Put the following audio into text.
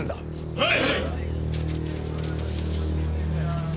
はい！